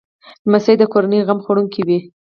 لمسی د کورنۍ غم خوړونکی وي.